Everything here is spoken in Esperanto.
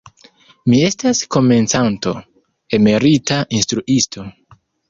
Mi estas komencanto, emerita instruisto.